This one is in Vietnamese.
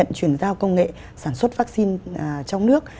để nhận truyền giao công nghệ sản xuất vaccine trong nước